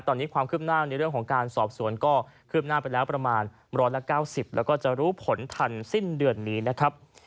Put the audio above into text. ตอนนี้ความคืบหน้าในเรื่องของการสอบสวนก็คืบหน้าไปแล้วประมาณ๑๙๐แล้วก็จะรู้ผลทันสิ้นเดือนนี้นะครับ